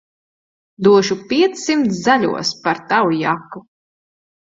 Došu piecsimt zaļos par tavu jaku.